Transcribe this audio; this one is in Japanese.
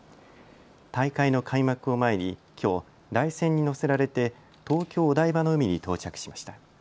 大会の開幕を前にきょう台船にのせられて東京お台場の海に到着しました。